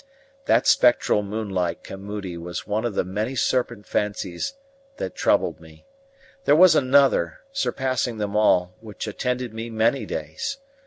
That spectral moonlight camoodi was one of many serpent fancies that troubled me. There was another, surpassing them all, which attended me many days.